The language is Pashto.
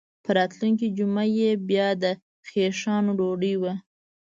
په راتلونکې جمعه یې بیا د خیښانو ډوډۍ وه.